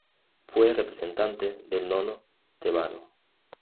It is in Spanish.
Fue representante del nomo tebano.